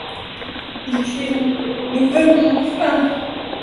Ils crieront : Nous venons enfin !